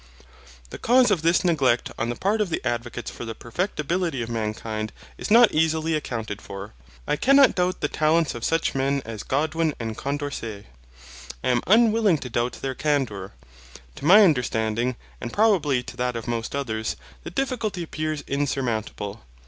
The cause of this neglect on the part of the advocates for the perfectibility of mankind is not easily accounted for. I cannot doubt the talents of such men as Godwin and Condorcet. I am unwilling to doubt their candour. To my understanding, and probably to that of most others, the difficulty appears insurmountable.